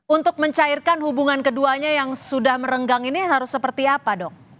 untuk mencairkan hubungan keduanya yang sudah merenggang ini harus seperti apa dok